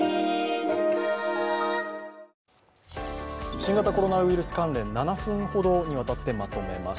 新型コロナウイルス関連、７分ほどにわたってまとめます。